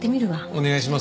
お願いします。